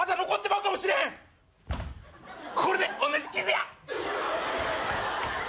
これで同じ傷や。